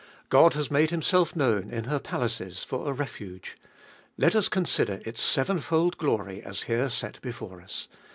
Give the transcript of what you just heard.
God has made Himself known in her palaces for a refuge ! Let us consider its sevenfold glory as here set before us.